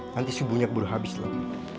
nanti subuhnya keburu habis loh